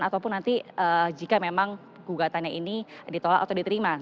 ataupun nanti jika memang gugatannya ini ditolak atau diterima